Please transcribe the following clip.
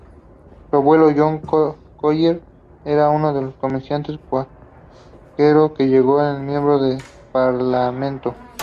Su abuelo, John Collier, era un comerciante cuáquero que llegó a miembro del Parlamento.